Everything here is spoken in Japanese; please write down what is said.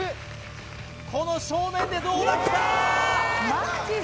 この正面でどうだきたー！